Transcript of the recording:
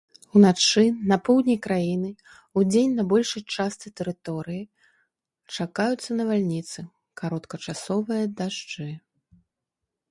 Уначы на поўдні краіны, удзень на большай частцы тэрыторыі чакаюцца навальніцы, кароткачасовыя дажджы.